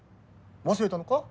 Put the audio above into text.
忘れたのか？